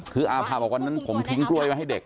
คืออาภาบอกวันนั้นผมทิ้งกล้วยไว้ให้เด็ก